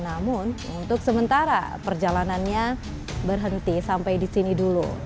namun untuk sementara perjalanannya berhenti sampai di sini dulu